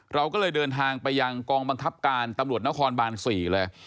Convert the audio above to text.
เราก็เลยเดินทางไปยังกองบังคับการตำรวจนครบาน๔เลย